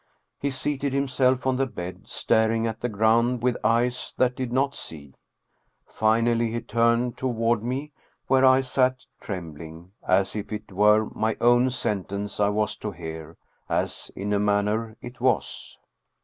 He seated himself on the bed, staring at the ground with eyes that did not see. Finally he turned toward me where I sat trembling, as if it were my own sentence I was to hear, as in a manner it was.